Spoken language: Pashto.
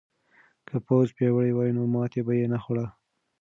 که پوځ پیاوړی وای نو ماتې به یې نه خوړه.